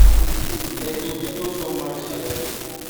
Les hopitaux sont mal gérés.